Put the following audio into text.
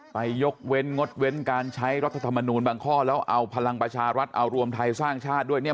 ยกเว้นงดเว้นการใช้รัฐธรรมนูลบางข้อแล้วเอาพลังประชารัฐเอารวมไทยสร้างชาติด้วยเนี่ย